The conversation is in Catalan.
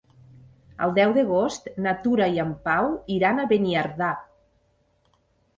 El deu d'agost na Tura i en Pau iran a Beniardà.